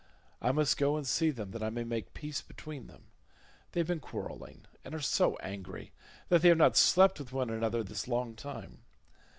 I must go and see them that I may make peace between them: they have been quarrelling, and are so angry that they have not slept with one another this long time.